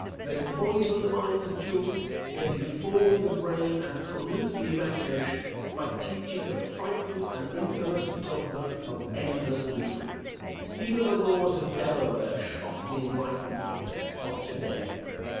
They poison the minds of children; they deform the brain and pollute the imagination by teaching the frightful and infamous dogma of endless misery. Even the laws of Delaware shock the enlightened public of to day.